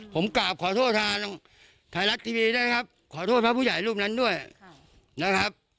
ผมกราบขอโทษทางไทยรัฐทีวีด้วยครับขอโทษพระผู้ใหญ่รูปนั้นด้วยนะครับ